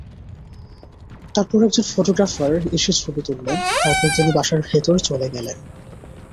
তারপর একজন ফটোগ্রাফার এসে ছবি তুললেন, তারপর তিনি বাসার ভেতরে চলে গেলেন।